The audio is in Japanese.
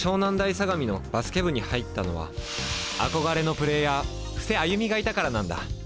相模のバスケ部に入ったのは憧れのプレーヤー布施歩がいたからなんだ。